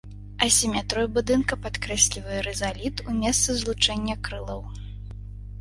Асіметрыю будынка падкрэслівае рызаліт у месцы злучэння крылаў.